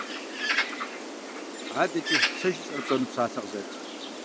АдэкӀи сэ жысӀэр пщӀэну псалъэ къызэт.